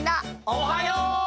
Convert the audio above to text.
おはよう！